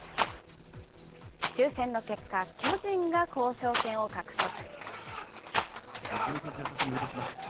抽せんの結果、巨人が交渉権を獲得。